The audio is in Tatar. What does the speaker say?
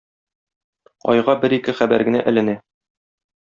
Айга бер-ике хәбәр генә эленә.